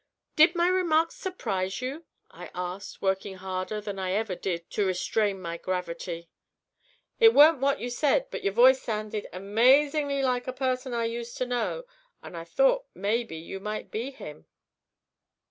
"Did my remark surprise you?" I asked, working harder than I ever did to restrain my gravity. "It weren't what you said, but your voice sounded amazingly like a person I used to know, and I thought maybe you might be him."